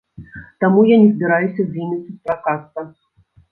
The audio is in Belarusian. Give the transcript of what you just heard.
Таму я не збіраюся з імі сустракацца!